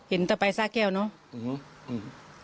เห็นแต่ไปซาแก้วเนอะ